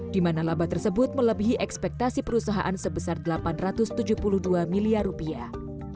di mana laba tersebut melebihi ekspektasi perusahaan sebesar delapan ratus tujuh puluh dua miliar rupiah